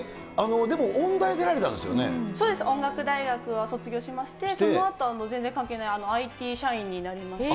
でも音大出そうです、音楽大学を卒業しまして、そのあと全然関係ないＩＴ社員になりました。